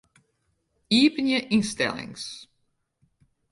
Iepenje ynstellings.